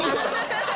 ハハハ